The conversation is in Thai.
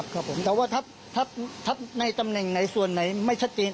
ครับผมแต่ว่าถ้าในตำแหน่งไหนส่วนไหนไม่ชัดเจน